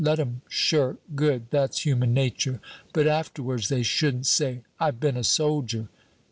Let 'em shirk, good, that's human nature; but afterwards they shouldn't say, 'I've been a soldier.'